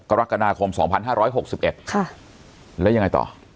กรกนาคมสองพันห้าร้อยหกสิบเอ็ดค่ะแล้วยังไงต่อ